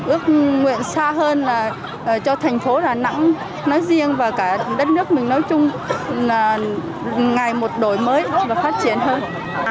ước nguyện xa hơn là cho thành phố đà nẵng nói riêng và cả đất nước mình nói chung là ngày một đổi mới và phát triển hơn